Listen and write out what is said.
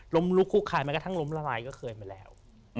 ลุกคุกคายแม้กระทั่งล้มละลายก็เคยมาแล้ว